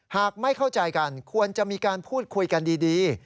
ไม่เข้าใจกันควรจะมีการพูดคุยกันดี